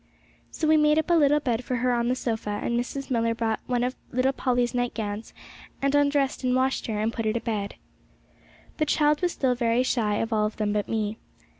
So we made up a little bed for her on the sofa; and Mrs. Millar brought one of little Polly's nightgowns, and undressed and washed her, and put her to bed. The child was still very shy of all of them but me.